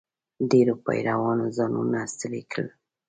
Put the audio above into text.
ډېرو پیرانو ځانونه ستړي کړل.